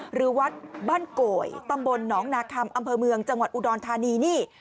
หรือวัดบ้านโกยตำบลหนองนาคัมอำเภอเมืองจังหวัดอุดรธานีนี่